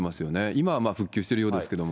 今は復旧してるようですけれども。